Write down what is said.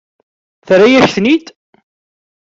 Terra-yak-tent-id?